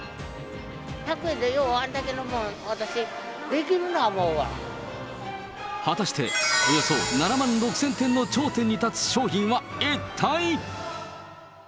１００円でようあんだけのもん、私、果たして、およそ７万６０００点の頂点に立つ商品は一体？